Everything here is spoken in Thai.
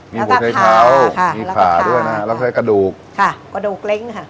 มีหมูไทยขาวค่ะมีขาด้วยนะแล้วก็ใช้กระดูกค่ะกระดูกเล้งค่ะ